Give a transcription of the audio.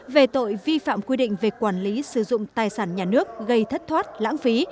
về tội vi phạm quy định về quản lý sử dụng tài sản nhà nước gây thất thoát lãng phí